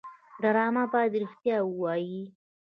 ډرامه باید رښتیا ووايي